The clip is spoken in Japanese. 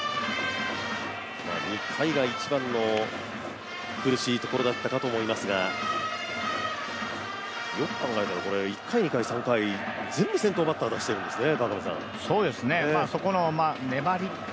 ２回が一番の苦しいところだったと思いますがよく考えたら１回、２回、３回全部先頭バッター出してるんですね。